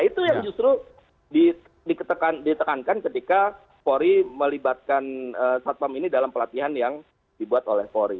itu yang justru ditekankan ketika polri melibatkan satpam ini dalam pelatihan yang dibuat oleh polri